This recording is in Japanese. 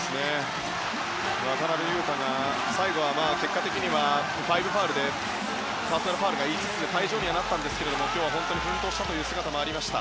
渡邊雄太が、最後は結果的には５ファウルでパーソナルファウルが５つで退場になりましたが今日は奮闘したという姿もありました。